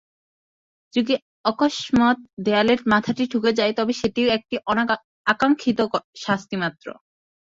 যদি অকস্মাৎ দেয়ালে মাথাটি ঠুকে যায়, তবে সেটিও একটি আকাঙ্ক্ষিত শাস্তিমাত্র।